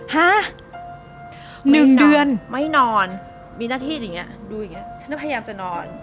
ฮะ๑เดือนไม่นอนมีหน้าที่อย่างนี้ดูอย่างเงี้ฉันก็พยายามจะนอน